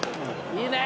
いいね！